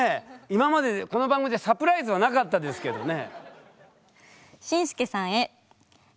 今までこの番組でサプライズはなかったですけどね。